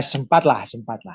sempatlah sempatlah